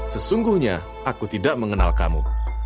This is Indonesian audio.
sesungguhnya aku tidak mengenal kamu